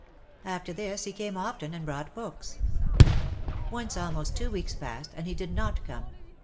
After this he came often and brought books. Once almost two weeks passed and he did not come.